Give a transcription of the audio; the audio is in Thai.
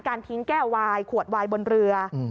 ทิ้งแก้ววายขวดวายบนเรือ